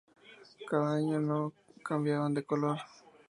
Cada año cambiaban de color.